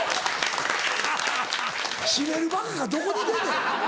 絞めるバカがどこにいてんねん！